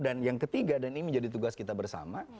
dan yang ketiga dan ini menjadi tugas kita bersama